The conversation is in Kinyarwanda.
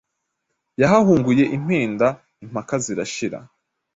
Yahahunguye impenda Impaka zirashira.